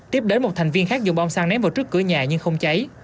tiếp đến một thành viên khác dùng bom xăng ném vào trước cửa nhà nhưng không cháy